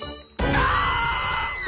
ああ！